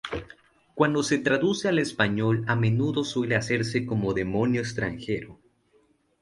Cuando se traduce al español, a menudo suele hacerse como demonio extranjero.